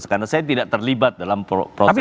karena saya tidak terlibat dalam proses penyusulkan itu